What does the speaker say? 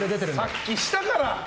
さっきしたから！